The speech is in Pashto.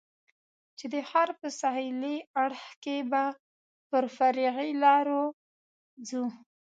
چې د ښار په سهېلي اړخ کې به پر فرعي لارو ځو.